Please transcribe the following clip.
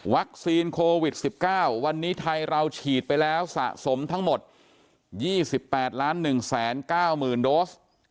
โควิด๑๙วันนี้ไทยเราฉีดไปแล้วสะสมทั้งหมด๒๘๑๙๐๐๐โดส